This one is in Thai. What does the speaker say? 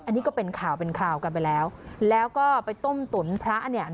อันนี้ก็เป็นข่าวเป็นคราวกันไปแล้วแล้วก็ไปต้มตุ๋นพระเนี่ย